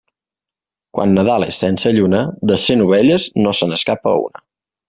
Quan Nadal és sense lluna, de cent ovelles no n'escapa una.